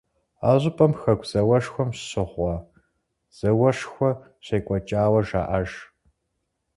А щӏыпӏэм Хэку зауэшхуэм щыгъуэ зэхэуэшхуэ щекӏуэкӏауэ жаӏэж.